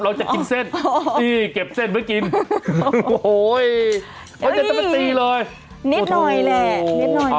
เราจะกินเส้นเก็บเส้นไปกินโอ้โหเขาจะจะไปตีเลยนิดหน่อยแหละ